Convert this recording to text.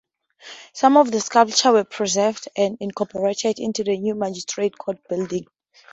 Some of the sculptures were preserved and incorporated into the new magistrates' court building.